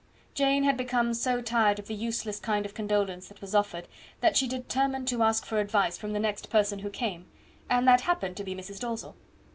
Jane had become so tired of the useless kind of condolence that was offered, that she determined to ask for advice from the next person who came, and that happened to be Mrs. Dalzell.